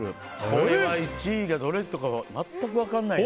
これは１位どれか全く分からないな。